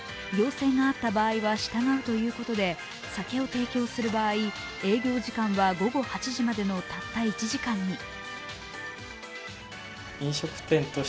要請があった場合は従うということで、酒を提供する場合、営業時間は午後８時までのたった１時間に。